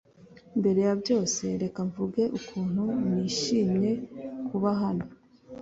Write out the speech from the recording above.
Mbere ya byose, reka mvuge ukuntu nishimiye kuba hano.